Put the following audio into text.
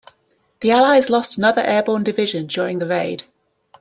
The allies lost another airborne division during the raid.